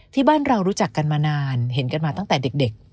ที่บ้านเรารู้จักกันมานานเห็นกันมาตั้งแต่เด็ก